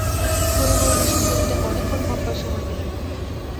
হরিমোহিনী সুচরিতাকে অনেকক্ষণ ভাবিবার সময় দিলেন।